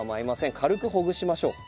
軽くほぐしましょう。